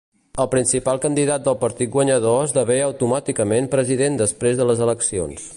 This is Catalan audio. El principal candidat del partit guanyador esdevé automàticament president després de les eleccions.